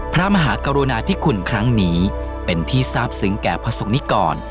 พระมหากรุณาธิคุณครั้งนี้เป็นที่ทราบซึ้งแก่พระศกนิกร